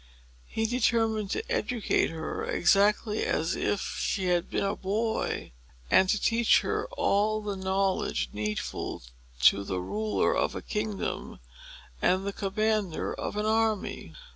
He determined to educate her exactly as if she had been a boy, and to teach her all the knowledge needful to the ruler of a kingdom and the commander of an army.